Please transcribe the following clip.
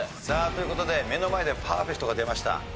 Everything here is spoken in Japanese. さあという事で目の前でパーフェクトが出ました。